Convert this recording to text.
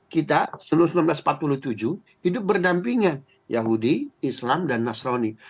kita seluruh seribu sembilan ratus empat puluh tujuh hidup berdampingan yahudi islam dan nasroni